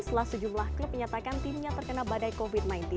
setelah sejumlah klub menyatakan timnya terkena badai covid sembilan belas